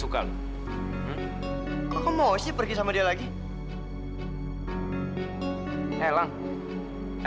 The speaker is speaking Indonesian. kita dan sayu tapi